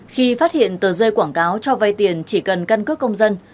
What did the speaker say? khi phát hiện tờ dây quảng cáo cho vai tiền chỉ cần cân cước công dân